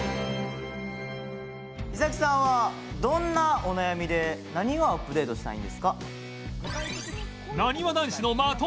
衣咲さんはどんなお悩みで何をアップデートしたいんですか？